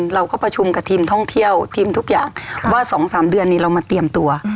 เราก็ประชุมกับทีมท่องเที่ยวทีมทุกอย่างว่า๒๓เดือนนี้เรามาเตรียมตัว